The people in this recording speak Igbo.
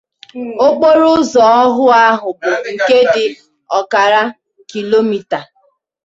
Okporo ụzọ ọhụụ ahụ bụ nke dị ọkara kilomita